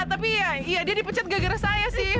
tapi ya dia dipecat gak gara saya sih